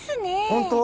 本当？